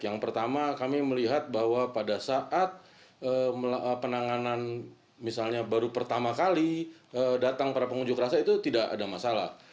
yang pertama kami melihat bahwa pada saat penanganan misalnya baru pertama kali datang para pengunjuk rasa itu tidak ada masalah